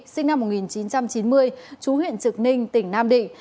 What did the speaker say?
sinh năm một nghìn chín trăm chín mươi chú huyện trực ninh tỉnh nam định